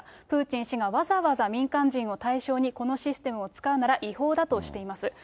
プーチン氏がわざわざ民間人を対象にこのシステムを使うなら、違法だとしています。